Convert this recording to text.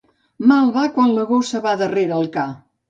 Mal va quan la gossa va darrere el ca.